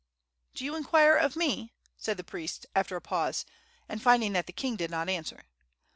"Do you inquire of me?" said the priest, after a pause, and finding that the king did not answer.